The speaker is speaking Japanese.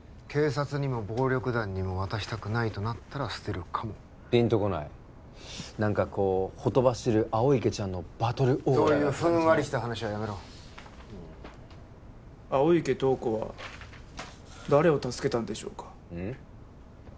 警察にも暴力団にも渡したくないとなったら捨てるかもぴんとこない何かこうほとばしる青池ちゃんのバトルオーラそういうふんわりした話はやめろ青池透子は誰を助けたんでしょうかうん？